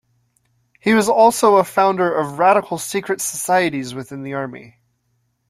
He was also a founder of radical secret societies within the Army.